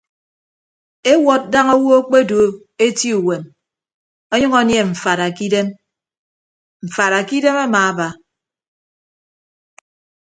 Ewọd daña owo akpedu eti uwem ọnyʌñ anie mfaada kidem mfaada kidem amaaba.